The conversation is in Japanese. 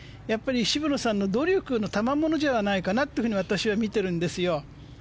渋野さんの努力のたまものじゃないかなと私は見ているんです。